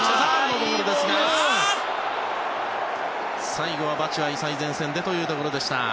最後はバチュアイ最前線でというところでした。